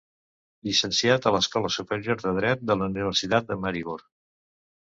Llicenciat a l'Escola Superior de Dret de la Universitat de Maribor.